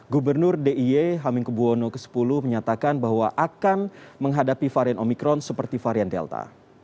gubernur d i e hamengkubwono x menyatakan bahwa akan menghadapi varian omikron seperti varian delta